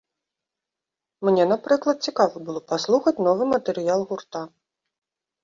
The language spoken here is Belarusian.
Мне, напрыклад, цікава было паслухаць новы матэрыял гурта.